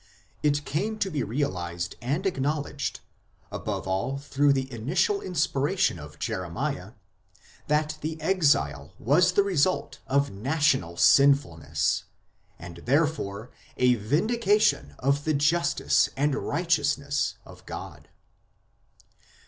It came to be realized and acknowledged, above all through the initial inspiration of Jeremiah, that the Exile was the result of national sinfulness, and therefore a vindication of the justice and righteousness of God.